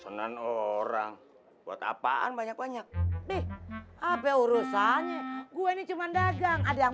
senang orang buat apaan banyak banyak nih apa urusannya gue ini cuman dagang ada yang